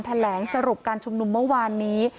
แถลงสรุปการชุมนุมเมื่อวานนี้